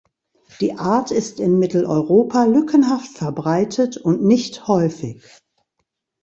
Die Art ist in Mitteleuropa lückenhaft verbreitet und nicht häufig.